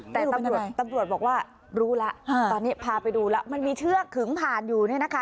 แต่ตำรวจตำรวจบอกว่ารู้แล้วตอนนี้พาไปดูแล้วมันมีเชือกขึงผ่านอยู่เนี่ยนะคะ